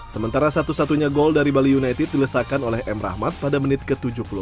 sementara satu satunya gol dari bali united dilesakan oleh m rahmat pada menit ke tujuh puluh empat